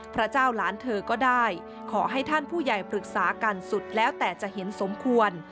พระเจ้าหลานเธอก็ได้ขอให้ท่านผู้ใหญ่ปรึกษากันสุดแล้วแต่จะเห็นสมควร